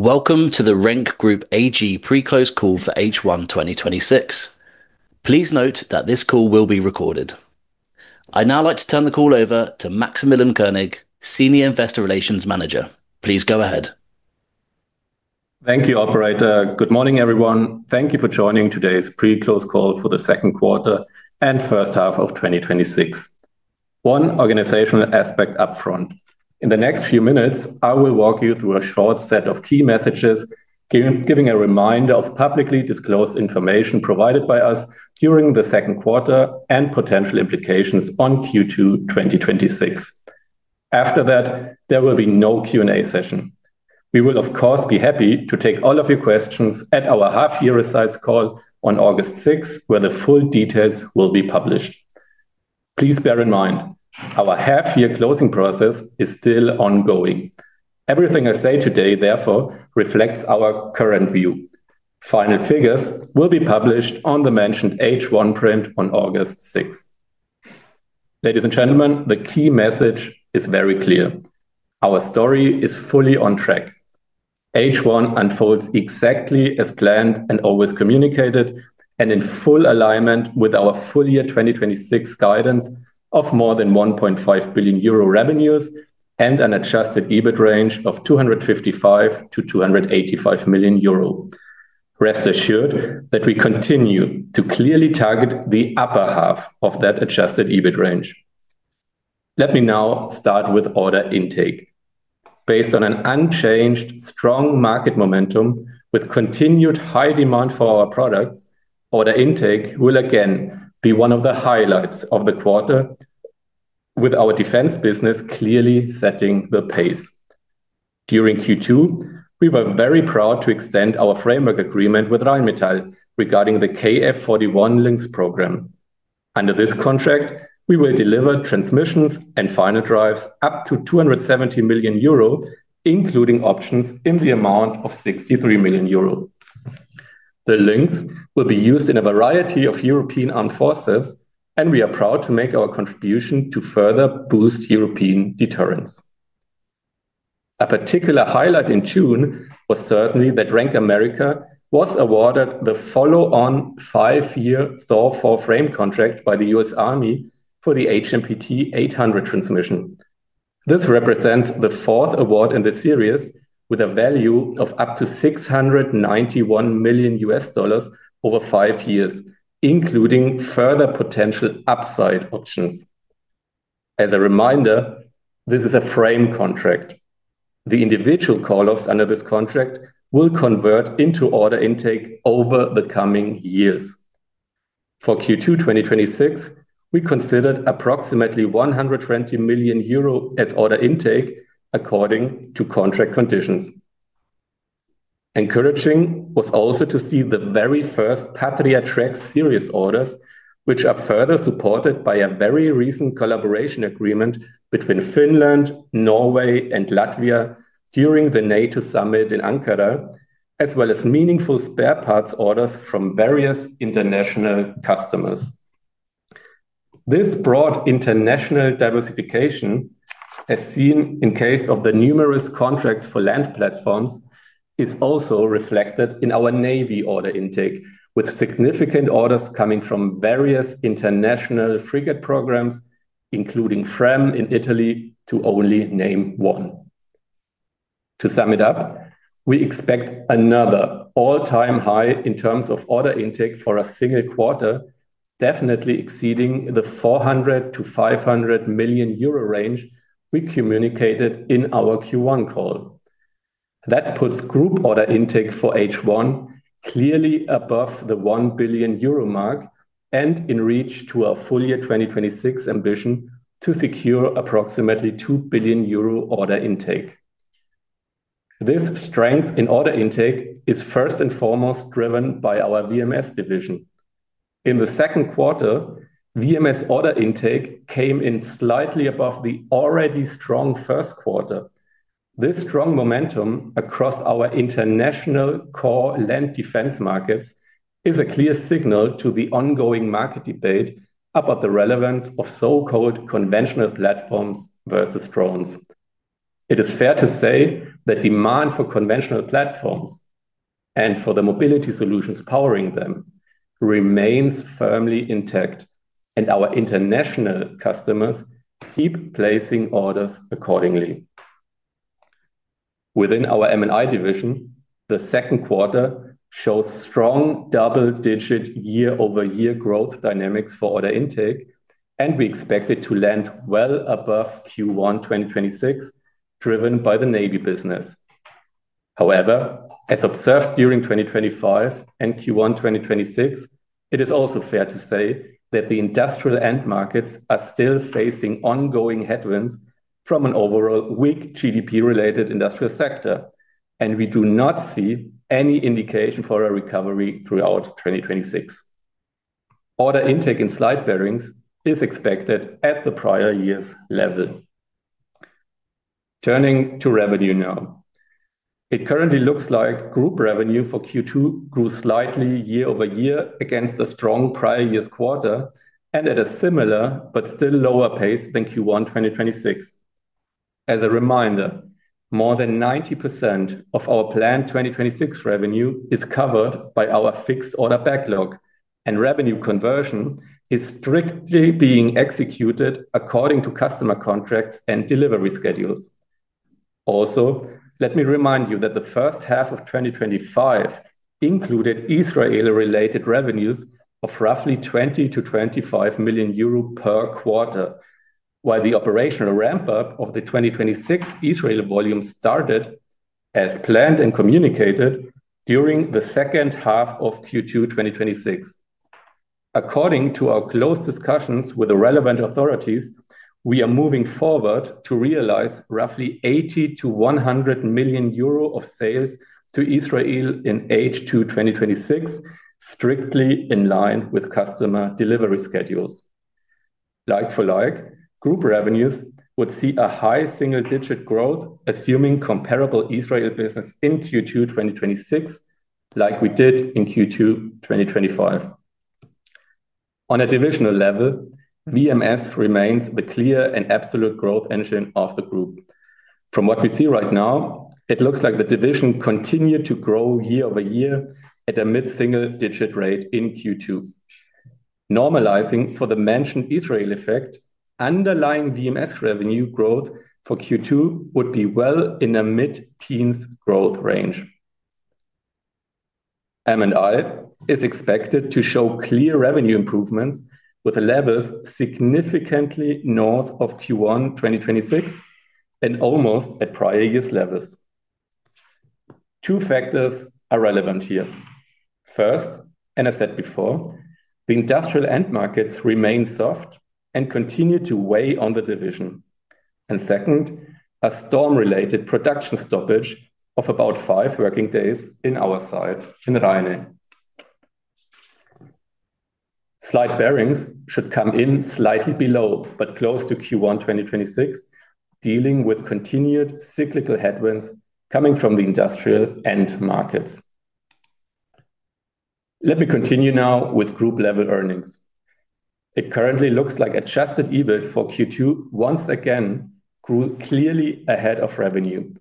Welcome to the RENK Group AG Pre-close call for H1 2026. Please note that this call will be recorded. I would now like to turn the call over to Maximilian König, Senior Manager Investor Relations. Please go ahead. Thank you, operator. Good morning, everyone. Thank you for joining today's pre-close call for the second quarter and first half of 2026. One organizational aspect up front. In the next few minutes, I will walk you through a short set of key messages, giving a reminder of publicly disclosed information provided by us during the second quarter and potential implications on Q2 2026. After that, there will be no Q&A session. We will, of course, be happy to take all of your questions at our half-year results call on August 6th, where the full details will be published. Please bear in mind, our half-year closing process is still ongoing. Everything I say today reflects our current view. Final figures will be published on the mentioned H1 print on August 6th. Ladies and gentlemen, the key message is very clear. Our story is fully on track. H1 unfolds exactly as planned and always communicated, and in full alignment with our full-year 2026 guidance of more than 1.5 billion euro revenues and an adjusted EBIT range of 255 million-285 million euro. Rest assured that we continue to clearly target the upper half of that adjusted EBIT range. Let me now start with order intake. Based on an unchanged strong market momentum with continued high demand for our products, order intake will again be one of the highlights of the quarter, with our defense business clearly setting the pace. During Q2, we were very proud to extend our framework agreement with Rheinmetall regarding the KF41 Lynx program. Under this contract, we will deliver transmissions and final drives up to 270 million euro, including options in the amount of 63 million euro. The KF41 Lynx will be used in a variety of European armed forces. We are proud to make our contribution to further boost European deterrence. A particular highlight in June was certainly that RENK America was awarded the follow-on five-year THOR4 frame contract by the US Army for the HMPT800 transmission. This represents the fourth award in the series, with a value of up to $691 million over five years, including further potential upside options. As a reminder, this is a frame contract. The individual call-offs under this contract will convert into order intake over the coming years. For Q2 2026, we considered approximately 120 million euro as order intake according to contract conditions. Encouraging was also to see the very first Patria TRACKX series orders, which are further supported by a very recent collaboration agreement between Finland, Norway, and Latvia during the NATO Summit in Ankara, as well as meaningful spare parts orders from various international customers. This broad international diversification, as seen in case of the numerous contracts for land platforms, is also reflected in our Navy order intake, with significant orders coming from various international frigate programs, including FREMM in Italy, to only name one. To sum it up, we expect another all-time high in terms of order intake for a single quarter, definitely exceeding the 400 million-500 million euro range we communicated in our Q1 call. That puts group order intake for H1 clearly above the 1 billion euro mark and in reach to our full-year 2026 ambition to secure approximately 2 billion euro order intake. This strength in order intake is first and foremost driven by our VMS division. In the second quarter, VMS order intake came in slightly above the already strong first quarter. This strong momentum across our international core land defense markets is a clear signal to the ongoing market debate about the relevance of so-called conventional platforms versus drones. It is fair to say that demand for conventional platforms and for the mobility solutions powering them remains firmly intact and our international customers keep placing orders accordingly. Within our M&I division, the second quarter shows strong double-digit year-over-year growth dynamics for order intake, and we expect it to land well above Q1 2026, driven by the Navy business. As observed during 2025 and Q1 2026, it is also fair to say that the industrial end markets are still facing ongoing headwinds from an overall weak GDP-related industrial sector, and we do not see any indication for a recovery throughout 2026. Order intake in slide bearings is expected at the prior year's level. Turning to revenue now. It currently looks like group revenue for Q2 grew slightly year-over-year against a strong prior year's quarter and at a similar but still lower pace than Q1 2026. As a reminder, more than 90% of our planned 2026 revenue is covered by our fixed order backlog, and revenue conversion is strictly being executed according to customer contracts and delivery schedules. Let me remind you that the first half of 2025 included Israel-related revenues of roughly 20 million-25 million euro per quarter, while the operational ramp-up of the 2026 Israel volume started as planned and communicated during the second half of Q2 2026. According to our close discussions with the relevant authorities, we are moving forward to realize roughly 80 million-100 million euro of sales to Israel in H2 2026, strictly in line with customer delivery schedules. Like for like, group revenues would see a high single-digit growth, assuming comparable Israel business in Q2 2026, like we did in Q2 2025. On a divisional level, VMS remains the clear and absolute growth engine of the group. From what we see right now, it looks like the division continued to grow year-over-year at a mid-single digit rate in Q2. Normalizing for the mentioned Israel effect, underlying VMS revenue growth for Q2 would be well in a mid-teens growth range. M&I is expected to show clear revenue improvements with the levels significantly north of Q1 2026 and almost at prior year's levels. Two factors are relevant here. First, I said before, the industrial end markets remain soft and continue to weigh on the division. Second, a storm-related production stoppage of about five working days in our site in Rheine. Slide bearings should come in slightly below, but close to Q1 2026, dealing with continued cyclical headwinds coming from the industrial end markets. Let me continue now with group-level earnings. It currently looks like adjusted EBIT for Q2 once again grew clearly ahead of revenue,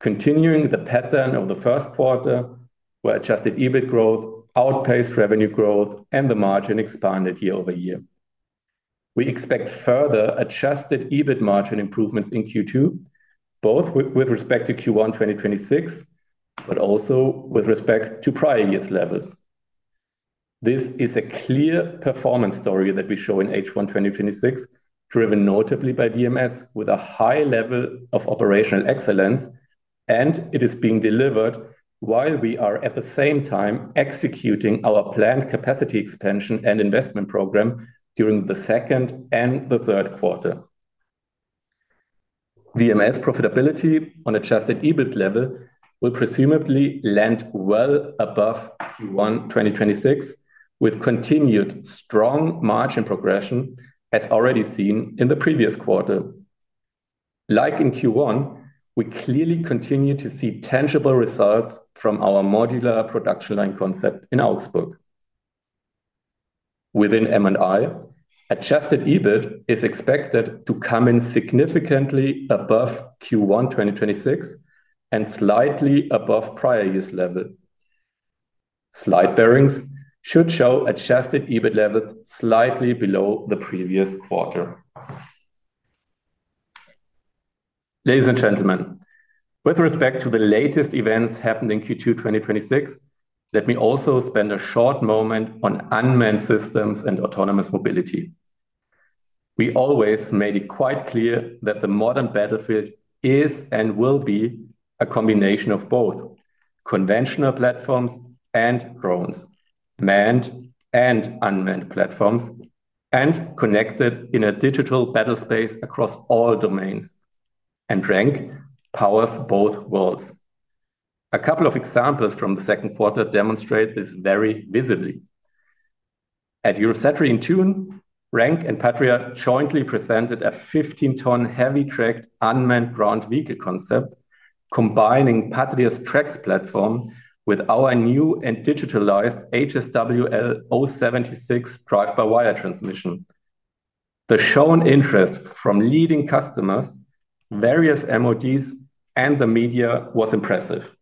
continuing the pattern of the first quarter, where adjusted EBIT growth outpaced revenue growth and the margin expanded year-over-year. We expect further adjusted EBIT margin improvements in Q2, both with respect to Q1 2026, but also with respect to prior year's levels. This is a clear performance story that we show in H1 2026, driven notably by VMS with a high level of operational excellence. It is being delivered while we are at the same time executing our planned capacity expansion and investment program during the second and the third quarter. VMS profitability on adjusted EBIT level will presumably land well above Q1 2026, with continued strong margin progression as already seen in the previous quarter. Like in Q1, we clearly continue to see tangible results from our modular production line concept in Augsburg. Within M&I, adjusted EBIT is expected to come in significantly above Q1 2026 and slightly above prior year's level. Slide bearings should show adjusted EBIT levels slightly below the previous quarter. Ladies and gentlemen, with respect to the latest events happened in Q2 2026, let me also spend a short moment on unmanned systems and autonomous mobility. We always made it quite clear that the modern battlefield is and will be a combination of both conventional platforms and drones, manned and unmanned platforms, connected in a digital battle space across all domains. RENK powers both worlds. A couple of examples from the second quarter demonstrate this very visibly. At Eurosatory in June, RENK and Patria jointly presented a 15 ton heavy tracked unmanned ground vehicle concept, combining Patria's tracks platform with our new and digitalized HSWL 076 drive-by-wire transmission. The shown interest from leading customers, various MODs, and the media was impressive.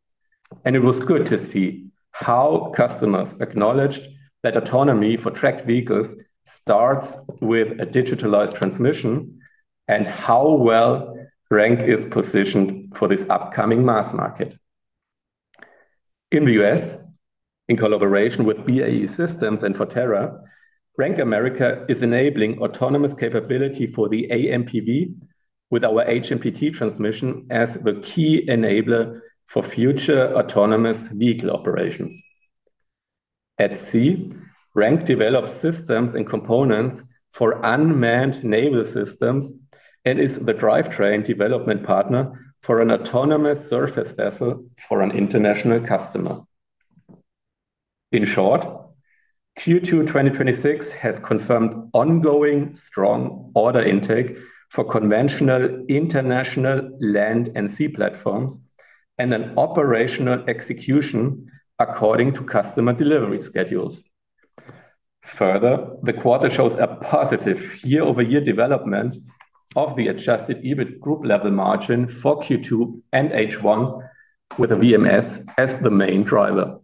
It was good to see how customers acknowledged that autonomy for tracked vehicles starts with a digitalized transmission and how well RENK is positioned for this upcoming mass market. In the U.S., in collaboration with BAE Systems and Forterra, RENK America is enabling autonomous capability for the AMPV with our HMPT transmission as the key enabler for future autonomous vehicle operations. At sea, RENK develops systems and components for unmanned naval systems and is the drivetrain development partner for an autonomous surface vessel for an international customer. In short, Q2 2026 has confirmed ongoing strong order intake for conventional international land and sea platforms and an operational execution according to customer delivery schedules. Further, the quarter shows a positive year-over-year development of the adjusted EBIT group level margin for Q2 and H1 with VMS as the main driver.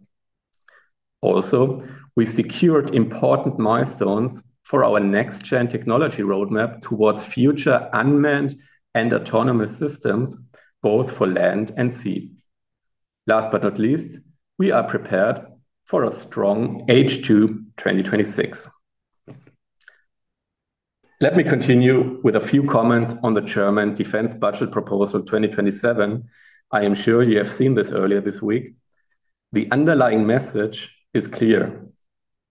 We secured important milestones for our next-gen technology roadmap towards future unmanned and autonomous systems, both for land and sea. We are prepared for a strong H2 2026. Let me continue with a few comments on the German defense budget proposal 2027. I am sure you have seen this earlier this week. The underlying message is clear.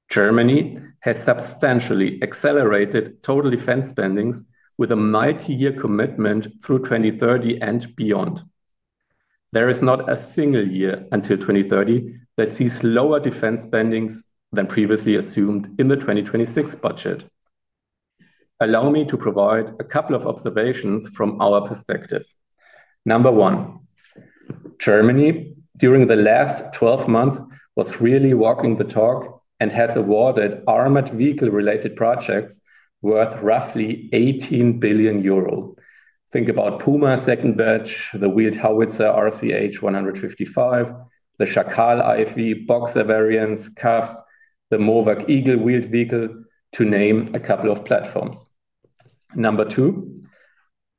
Germany has substantially accelerated total defense spendings with a multi-year commitment through 2030 and beyond. There is not a single year until 2030 that sees lower defense spendings than previously assumed in the 2026 budget. Allow me to provide a couple of observations from our perspective. Number one, Germany, during the last 12 months, was really walking the talk and has awarded armored vehicle-related projects worth roughly 18 billion euro. Think about Puma second batch, the wheeled howitzer RCH 155, the Schakal IFV Boxer variants, CAWS, the MOWAG Eagle wheeled vehicle, to name a couple of platforms. Number two,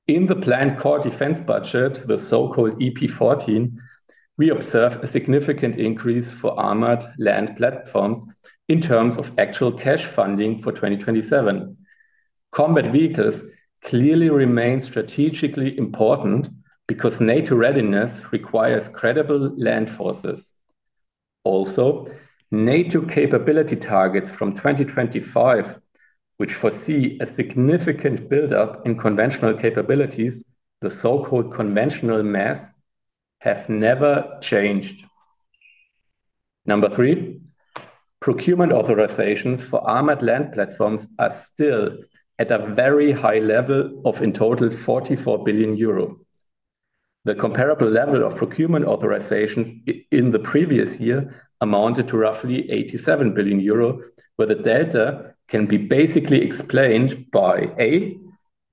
in the planned core defense budget, the so-called EP14, we observe a significant increase for armored land platforms in terms of actual cash funding for 2027. Combat vehicles clearly remain strategically important because NATO readiness requires credible land forces. NATO capability targets from 2025, which foresee a significant build-up in conventional capabilities, the so-called conventional mass, have never changed. Number three, procurement authorizations for armored land platforms are still at a very high level of in total 44 billion euro. The comparable level of procurement authorizations in the previous year amounted to roughly 87 billion euro, where the data can be basically explained by, A,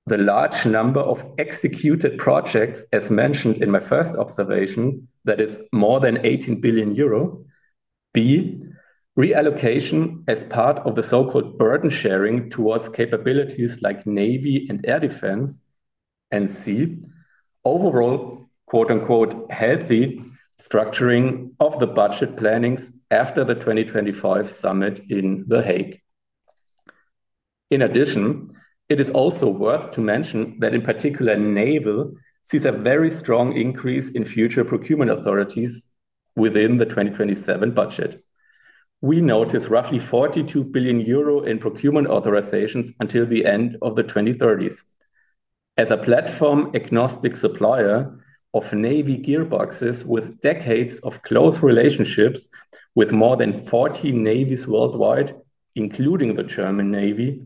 the large number of executed projects as mentioned in my first observation, that is more than 18 billion euro. B, reallocation as part of the so-called burden-sharing towards capabilities like navy and air defense. C, overall, quote-unquote, "healthy structuring of the budget plannings after the 2025 summit in The Hague." It is also worth to mention that in particular naval sees a very strong increase in future procurement authorities within the 2027 budget. We notice roughly 42 billion euro in procurement authorizations until the end of the 2030s. As a platform-agnostic supplier of navy gearboxes with decades of close relationships with more than 40 navies worldwide, including the German Navy,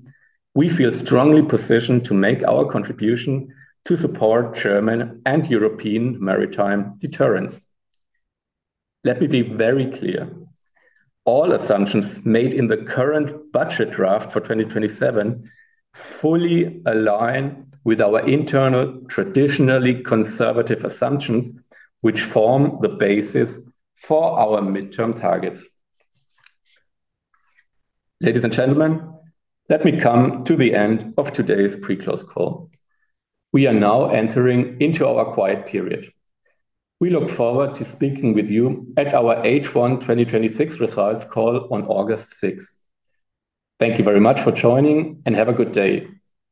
we feel strongly positioned to make our contribution to support German and European maritime deterrence. Let me be very clear. All assumptions made in the current budget draft for 2027 fully align with our internal, traditionally conservative assumptions, which form the basis for our midterm targets. Ladies and gentlemen, let me come to the end of today's pre-close call. We are now entering into our quiet period. We look forward to speaking with you at our H1 2026 results call on August 6th. Thank you very much for joining and have a good day.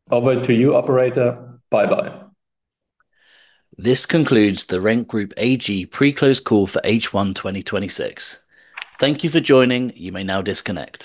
Over to you, operator. Bye-bye. This concludes the RENK Group AG pre-close call for H1 2026. Thank you for joining. You may now disconnect.